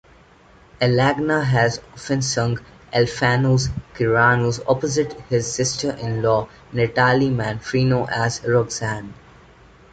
Alagna has often sung Alfano's Cyrano opposite his sister-in-law Natalie Manfrino as Roxanne.